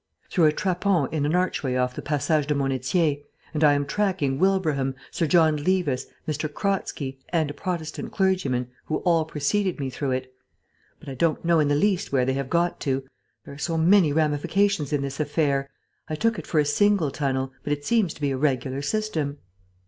"Through a trappon in an archway off the Passage de Monnetier. And I am tracking Wilbraham, Sir John Levis, M. Kratzky, and a Protestant clergyman, who all preceded me through it. But I don't know in the least where they have got to. There are so many ramifications in this affair. I took it for a single tunnel, but it seems to be a regular system."